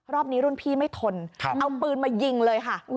รอบนี้รุ่นพี่ไม่ทนเอาปืนมายิงเลยค่ะ